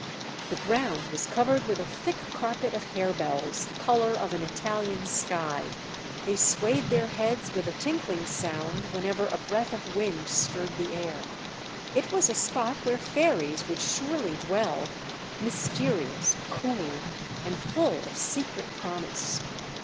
The ground was covered with a thick carpet of harebells the colour of an Italian sky; they swayed their heads with a tinkling sound whenever a breath of wind stirred the air. It was a spot where fairies would surely dwell, mysterious, cool, and full of secret promise.